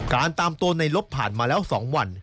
การตามตัวในรบผ่านมาแล้วสองวัน